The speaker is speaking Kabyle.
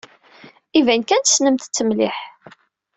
Iban kan tessnemt-tt mliḥ.